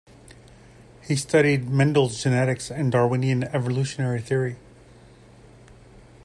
He studied Mendel's genetics and Darwinian evolutionary theory.